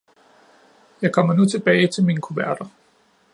Jeg kommer nu tilbage til mine kuverter.